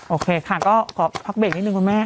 โอเคค่ะก็ขอพักเบรกนิดนึงคุณแม่